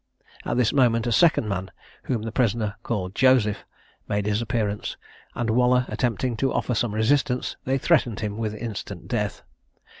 At this moment a second man, whom the prisoner called Joseph, made his appearance, and Waller attempting to offer some resistance, they threatened him with instant death.